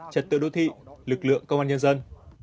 trật tự đô thị lực lượng công an nhân dân